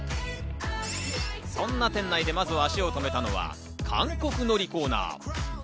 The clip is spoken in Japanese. そんな店内で、まず足をとめたのは韓国海苔コーナー。